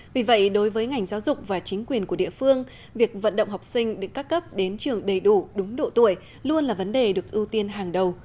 vì vậy đối với ngành giáo dục và chính quyền của địa phương việc vận động học sinh đến các cấp đến trường đầy đủ đúng độ tuổi luôn là vấn đề được ưu tiên hàng đầu